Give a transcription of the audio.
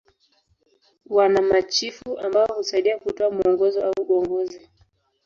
Wana machifu ambao husaidia kutoa mwongozo na uongozi.